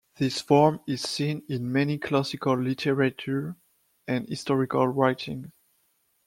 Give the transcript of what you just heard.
This form is seen in many classical literature and historical writings.